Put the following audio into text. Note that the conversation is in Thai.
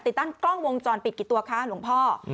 ติดตั้งกล้องวงจรปิดกี่ตัวคะหลวงพ่อ